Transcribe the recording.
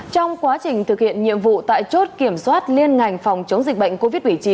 trong quá trình thực hiện nhiệm vụ tại chốt kiểm soát liên ngành phòng chống dịch bệnh covid một mươi chín